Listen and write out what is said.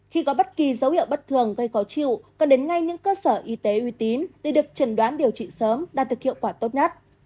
khi có bất kỳ dấu hiệu bất thường gây khó chịu cần đến ngay những cơ sở y tế uy tín để được trần đoán điều trị sớm đạt được hiệu quả tốt nhất